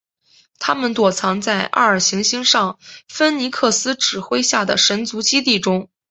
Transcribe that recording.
他们躲藏在艾尔行星上芬尼克斯指挥下的神族基地中。